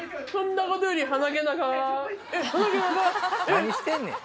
何してんねん。